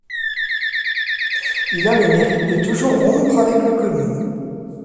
Il à le mérite de toujours rompre avec le connu.